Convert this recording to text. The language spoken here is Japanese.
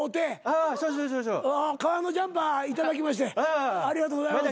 革のジャンパー頂きましてありがとうございます。